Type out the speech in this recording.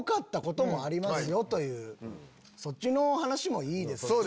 そっちの話もいいですね。